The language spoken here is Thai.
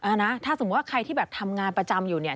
นะถ้าสมมุติว่าใครที่แบบทำงานประจำอยู่เนี่ย